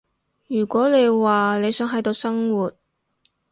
如果你話你想喺度生活